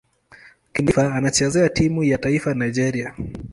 Kimataifa anachezea timu ya taifa Nigeria.